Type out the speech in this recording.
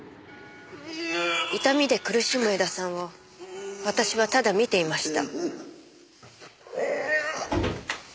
痛みで苦しむ江田さんを私はただ見ていました。